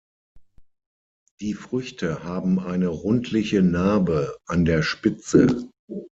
Die Früchte haben eine rundliche Narbe an der Spitze.